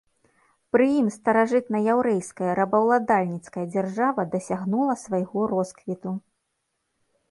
Пры ім старажытнаяўрэйская рабаўладальніцкая дзяржава дасягнула свайго росквіту.